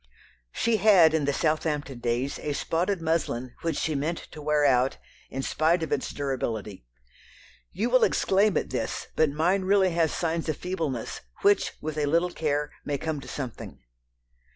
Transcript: She had, in the Southampton days, a spotted muslin which she meant to wear out, in spite of its durability. "You will exclaim at this, but mine really has signs of feebleness, which, with a little care, may come to something."